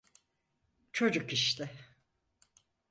Çocuk işte.